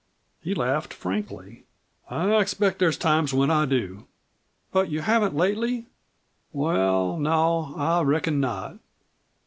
He laughed frankly. "I expect there's times when I do." "But you haven't lately?" "Well, no, I reckon not."